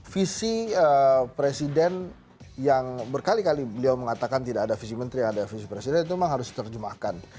visi presiden yang berkali kali beliau mengatakan tidak ada visi menteri ada visi presiden itu memang harus diterjemahkan